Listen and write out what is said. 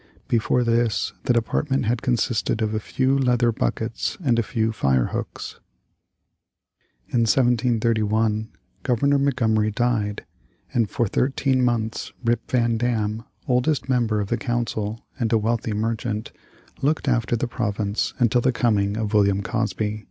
Before this the department had consisted of a few leather buckets and a few fire hooks. In 1731 Governor Montgomery died, and for thirteen months after, Rip Van Dam, oldest member of the council, and a wealthy merchant, looked after the province until the coming of William Cosby.